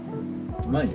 うまいね。